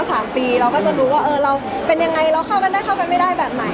สามปีเราก็จะรู้ว่าเออเราเป็นยังไงเราเข้ากันได้เข้ากันไม่ได้แบบไหน